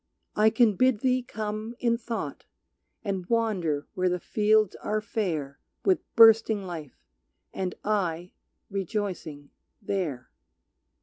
I can bid thee come In thought and wander where the fields are fair With bursting life, and I, rejoicing, there.